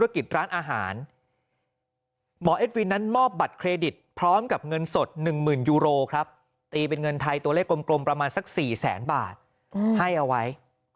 ครับตีเป็นเงินไทยตัวเลขกลมประมาณสัก๔๐๐๐๐๐บาทให้เอาไว้